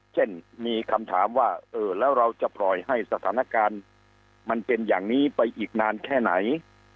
เช่นมีคำถามว่าเออแล้วเราจะปล่อยให้สถานการณ์มันเป็นอย่างนี้ไปอีกนานแค่ไหน